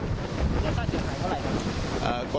แล้วค่าเสียหายเท่าไหร่ครับ